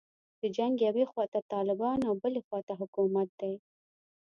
د جنګ یوې خواته طالبان او بلې خواته حکومت دی.